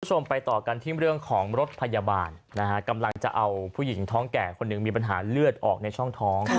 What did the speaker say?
คุณผู้ชมไปต่อกันที่เรื่องของรถพยาบาลนะฮะกำลังจะเอาผู้หญิงท้องแก่คนหนึ่งมีปัญหาเลือดออกในช่องท้อง